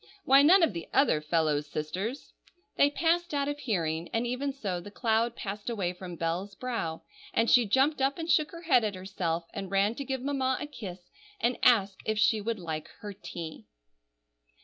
Why, none of the other fellows' sisters—" They passed out of hearing; and even so the cloud passed away from Bell's brow, and she jumped up and shook her head at herself, and ran to give Mamma a kiss, and ask if she would like her tea.